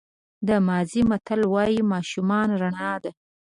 د مازی متل وایي ماشومان رڼا ده.